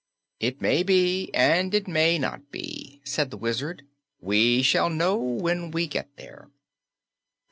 "It may be, and it may not be," said the Wizard. "We shall know when we get there."